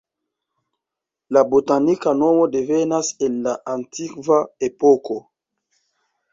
La botanika nomo devenas el la antikva epoko.